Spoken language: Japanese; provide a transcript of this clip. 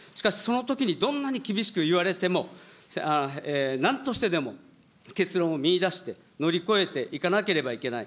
しかし、そのときにどんなに厳しく言われても、なんとしてでも結論を見いだして、乗り越えていかなければいけない。